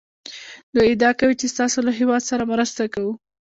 دوی ادعا کوي چې ستاسو له هېواد سره مرسته کوو